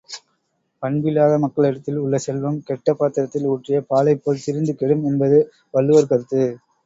பண்பில்லாத மக்களிடத்தில் உள்ள செல்வம் கெட்ட பாத்திரத்தில் ஊற்றிய பாலைப்போல் திரிந்து கெடும் என்பது வள்ளுவர் கருத்து.